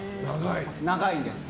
長いんです。